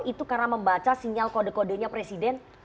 itu karena membaca sinyal kode kodenya presiden